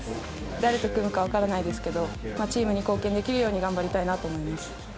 誰と組むか分からないですけど、チームに貢献できるように頑張りたいなと思います。